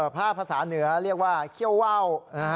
ภาษาเหนือเรียกว่าเขี้ยวว่าว